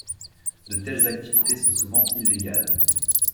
De telles activités sont souvent illégales.